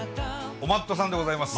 お待っとさんでございます。